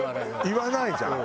言わないじゃん？